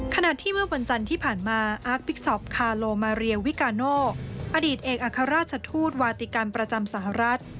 ขณะที่เมื่อวันจันทร์ที่ผ่านมาอาร์กบิ๊กช็อปคาโลมาเรียวิกาโนอดีตเอกอัครราชทูตวาติกรรมประจำสหรัฐ